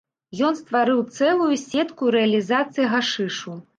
Ён стварыў цэлую сетку рэалізацыі гашышу.